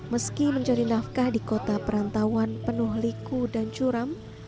meski menjadi nafkah di kota perantauan penuh liku dan curam